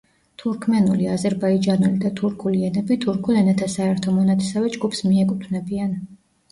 თურქმენული, აზერბაიჯანული და თურქული ენები თურქულ ენათა საერთო მონათესავე ჯგუფს მიეკუთვნებიან.